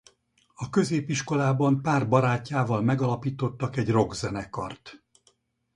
A középiskolában pár barátjával megalapítottak egy rock zenekart.